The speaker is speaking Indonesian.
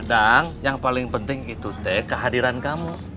kadang yang paling penting itu teh kehadiran kamu